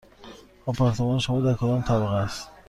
آپارتمان شما در کدام طبقه است؟